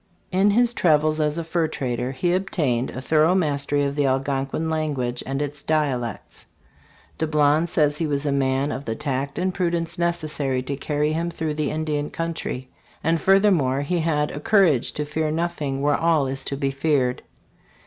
In his travels as a fur trader he obtained a thorough mastery of the Algonquin language and its dialects. Dablon says he was a man of the tact and pru dence necessary to carry him through the Indian country ; and furthermore he had "a courage to fear nothing where all is to be feared."